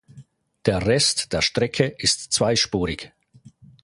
Der Rest der Strecke ist zweispurig.